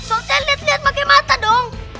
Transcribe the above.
soalnya liat liat pakai mata dong